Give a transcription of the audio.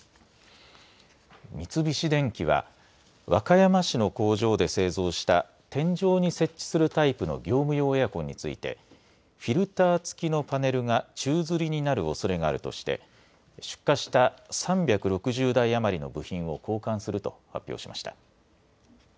三菱電機は、和歌山市の工場で製造した天井に設置するタイプの業務用エアコンについて、フィルター付きのパネルが宙づりになるおそれがあるとして、出荷した３６０台余りの部品を交換すると発表しました。